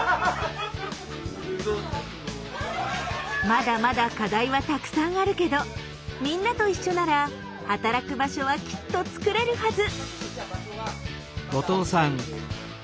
まだまだ課題はたくさんあるけどみんなと一緒なら働く場所はきっとつくれるはず。